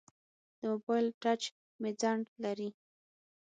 د موبایل ټچ مې ځنډ لري.